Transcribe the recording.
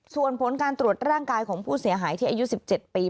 ส่วนผลการตรวจร่างกายของผู้เสียหายที่อายุ๑๗ปี